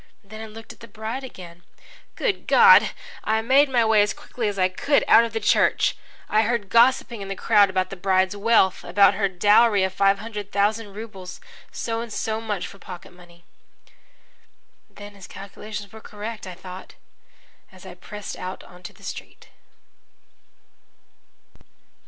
Then I looked at the bride again. Good God! I made my way, as quickly as I could, out of the church. I heard gossiping in the crowd about the bride's wealth about her dowry of five hundred thousand rubles so and so much for pocket money. "Then his calculations were correct," I thought, as I pressed out into the street.